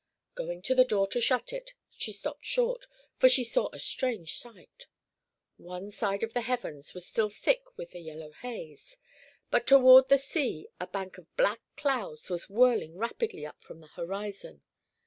Going to the door to shut it, she stopped short, for she saw a strange sight. One side of the heavens was still thick with the yellow haze, but toward the sea a bank of black clouds was whirling rapidly up from the horizon.